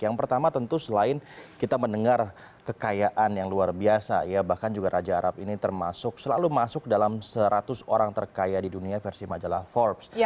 yang pertama tentu selain kita mendengar kekayaan yang luar biasa ya bahkan juga raja arab ini termasuk selalu masuk dalam seratus orang terkaya di dunia versi majalah forbes